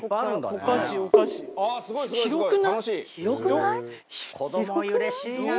広くない？